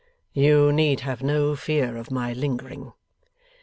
'You need have no fear of my lingering.